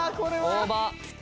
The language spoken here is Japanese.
大葉。